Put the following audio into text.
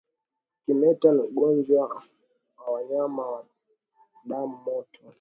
Kimeta ni ugonjwa wa wanyama wa damu moto